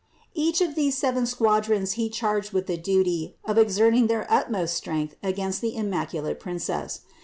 Each of these seven squadrons he charged with the duty of ex erting their utmost strength against the immaculate Princess.